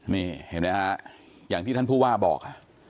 นี่เห็นไหมฮะอย่างที่ท่านผู้ว่าบอก